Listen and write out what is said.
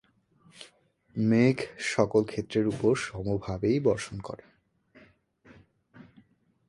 মেঘ সকল ক্ষেত্রের উপর সমভাবেই বর্ষণ করে।